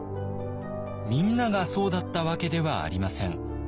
みんながそうだったわけではありません。